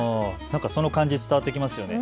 その感じ、伝わってきますね。